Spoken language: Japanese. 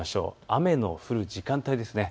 雨の降る時間帯です。